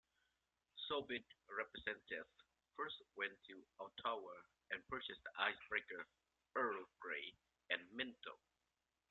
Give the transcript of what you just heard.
Soviet representatives first went to Ottawa and purchased the icebreakers "Earl Grey" and "Minto".